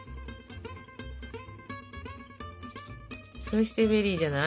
そしてベリーじゃない？